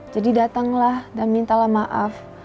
jadi datanglah dan mintalah maaf